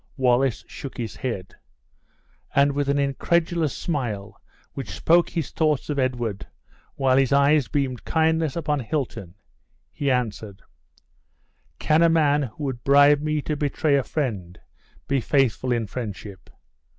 Wallace shook his head; and with an incredulous smile which spoke his thoughts of Edward, while his eyes beamed kindness upon Hilton, he answered: "Can the man who would bribe me to betray a friend, be faithful in friendship?